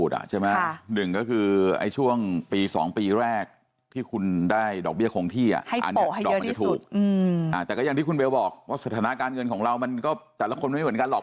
แต่ก็อย่างที่คุณเบลบอกว่าสถานการณ์เงินของเรามันก็แต่ละคนไม่เหมือนกันหรอก